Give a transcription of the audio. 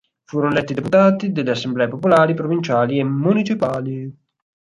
Furono eletti deputati delle assemblee popolari provinciali e municipali.